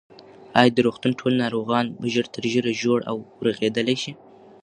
ایا د روغتون ټول ناروغان به ژر تر ژره جوړ او رغېدلي شي؟